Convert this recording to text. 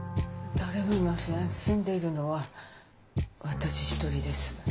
誰もいません住んでいるのは私１人です。